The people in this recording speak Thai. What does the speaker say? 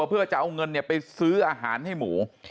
เพื่อจะเอาเงินไปซื้ออาหารให้หมู